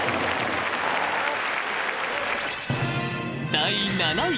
［第７位］